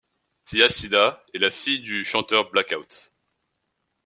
Tia Cida est la fille du chanteur Blackout.